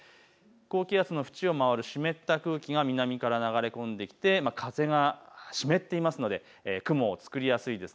高気圧の縁を回る湿った空気が南から流れ込んできて風が湿っていますので雲を作りやすいです。